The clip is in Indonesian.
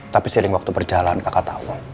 tapi seling waktu berjalan kakak tau